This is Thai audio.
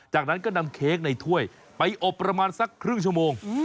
จากนั้นก็นำเค้กในถ้วยไปอบประมาณสักครึ่งชั่วโมง